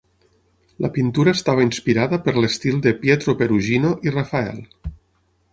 La pintura estava inspirada per l'estil de Pietro Perugino i Rafael.